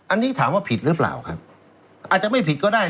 อันนี้ถามว่าผิดหรือเปล่าครับอาจจะไม่ผิดก็ได้